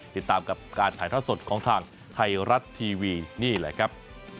ติดตามกับการถ่ายท่อสดของทางไทยรัฐทีวีนี่แหละครับ